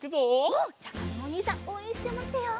うん！じゃあかずむおにいさんおうえんしてまってよう。